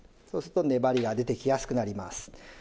そうすると粘りが出てきやすくなります。